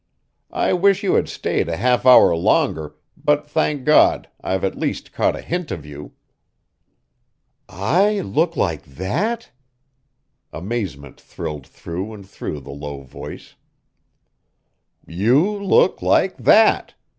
I wish you had stayed a half hour longer, but thank God, I've at least caught a hint of you!" "I look like that!" Amazement thrilled through and through the low voice. "You look like that!